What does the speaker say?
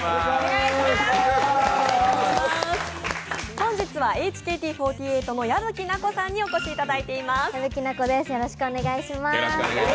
本日はＨＫＴ４８の矢吹奈子さんにも参加していただいています。